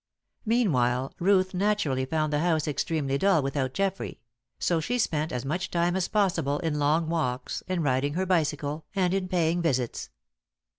Meanwhile, Ruth naturally found the house extremely dull without Geoffrey; so she spent as much time as possible in long walks, in riding her bicycle, and in paying visits.